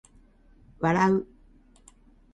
笑う